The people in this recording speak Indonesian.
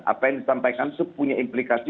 apa yang disampaikan itu punya implikasi